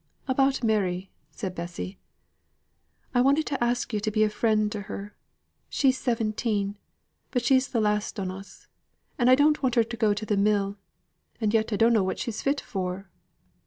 "About Mary," said Bessy. "I wanted to ask yo' to be a friend to her. She's seventeen, but she's th' last on us. And I don't want her to go to th' mill, and yet I dunno what she's fit for."